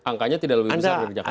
angkanya tidak lebih besar dari jakarta